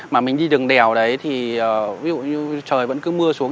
mà mình đi đường đèo đấy thì ví dụ như trời vẫn cứ mưa xuống